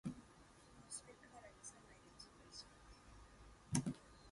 There he gave up the Lord's Supper, thinking that it ministered to self-satisfaction.